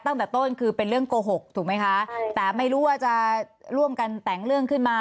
ตั้งแต่ต้นคือเป็นเรื่องโกหกถูกไหมคะแต่ไม่รู้ว่าจะร่วมกันแต่งเรื่องขึ้นมา